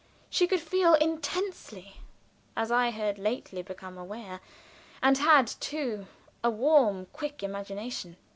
She could feel intensely, as I had lately become aware, and had, too, a warm, quick imagination.